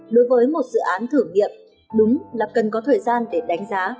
đối với một dự án thử nghiệm đúng là cần có thời gian để đánh giá